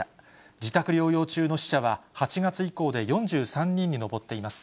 自宅療養中の死者は、８月以降で４３人に上っています。